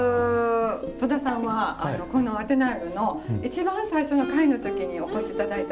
戸田さんはこの「あてなよる」の一番最初の回の時にお越し頂いた。